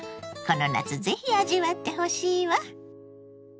この夏ぜひ味わってほしいわ。